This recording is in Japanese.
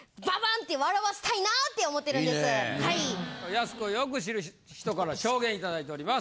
やす子をよく知る人から証言いただいております。